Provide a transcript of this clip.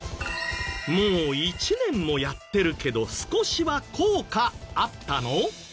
もう１年もやってるけど少しは効果あったの？